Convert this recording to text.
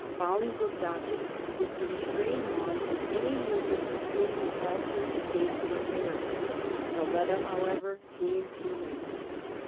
Bolingbroke's object was to restrain Mar from any movement in the altered state of aflFairs. The letter, however, came too late.